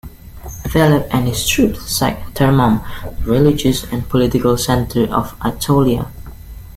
Philip and his troops sacked Thermum, the religious and political centre of Aetolia.